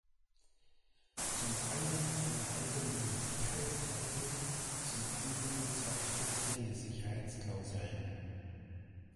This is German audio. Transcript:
Zum einen eine allgemeine Sicherheitsklausel, zum anderen zwei spezielle Sicherheitsklauseln.